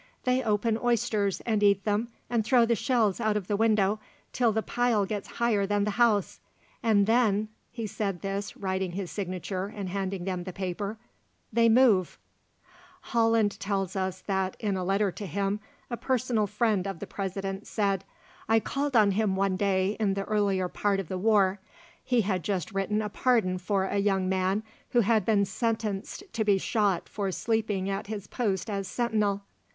They open oysters and eat them, and throw the shells out of the window till the pile gets higher than the house, and then" he said this, writing his signature, and handing them the paper "they move." Holland tells us that, in a letter to him, a personal friend of the President said, "I called on him one day in the earlier part of the war. He had just written a pardon for a young man who had been sentenced to be shot for sleeping at his post as sentinel.